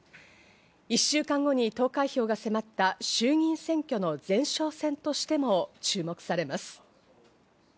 １週間後に投開票が迫った衆議院選挙の前哨戦としても注目されます。